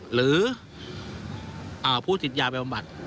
หรือผู้ติดยาไปบำบัด